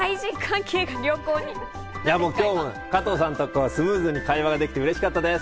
今日も加藤さんとスムーズに会話ができてうれしかったです。